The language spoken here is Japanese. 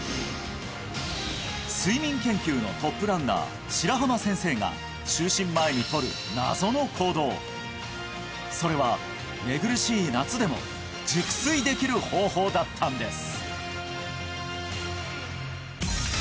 睡眠研究のトップランナー白濱先生が就寝前にとる謎の行動それは寝苦しい夏でも熟睡できる方法だったんです！